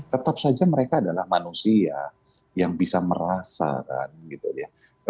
tetap saja mereka adalah manusia yang bisa merasa kan gitu ya